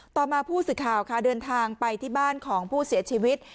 ต่อมาผู้สื่อข่าวค่ะเดินทางไปที่บ้านของผู้เสียชีวิต